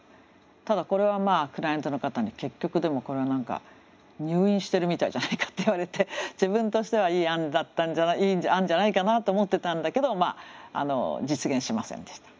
ただこれはクライアントの方に結局でもこれは何か入院してるみたいじゃないかって言われて自分としてはいい案じゃないかなと思ってたんだけど実現しませんでした。